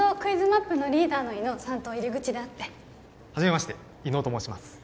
マップのリーダーの伊能さんと入り口で会ってはじめまして伊能と申します